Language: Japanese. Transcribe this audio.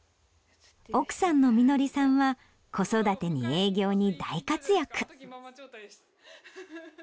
奥さんの美紀さんは子育てに営業に大活躍。